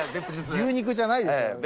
牛肉じゃないでしょ。